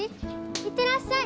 行ってらっしゃい！